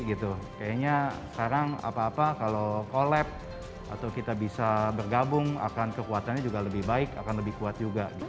kayaknya sekarang apa apa kalau collab atau kita bisa bergabung akan kekuatannya juga lebih baik akan lebih kuat juga